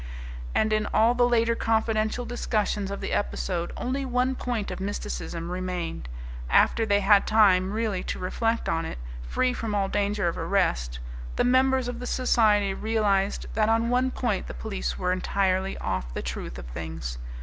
And in all the later confidential discussions of the episode only one point of mysticism remained. After they had time really to reflect on it, free from all danger of arrest, the members of the society realized that on one point the police were entirely off the truth of things.